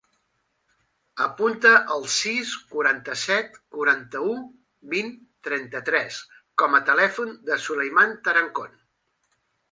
Apunta el sis, quaranta-set, quaranta-u, vint, trenta-tres com a telèfon del Sulaiman Tarancon.